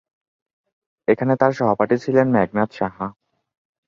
এখানে তার সহপাঠী ছিলেন মেঘনাদ সাহা।